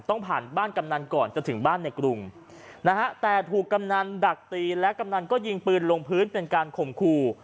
ต้องผ่านบ้านกำนันก่อนจะถึงบ้านในกรุงนะฮะแต่ถูกกำนันดักตีและกำนันก็ยิงปืนลงพื้นเป็นการข่มขู่